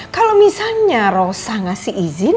kalau misalnya rosa ngasih izin